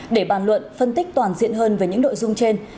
để bàn luận phân tích toàn diện hơn về những nội dung trên